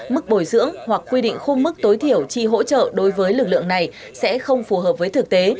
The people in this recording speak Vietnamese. mức bồi dưỡng hoặc quy định khung mức tối thiểu chi hỗ trợ đối với lực lượng này sẽ không phù hợp với thực tế